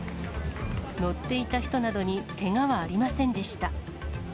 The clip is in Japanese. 乗っていた人などにけがはありませんでした。